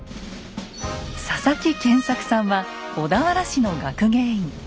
佐々木健策さんは小田原市の学芸員。